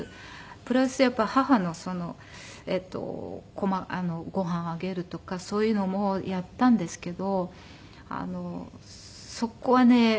プラスやっぱり母のえっとご飯をあげるとかそういうのもやったんですけどそこはね